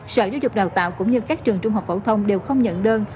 sở giáo dục đào tạo cũng như các trường trung học phổ thông đều không nhận đơn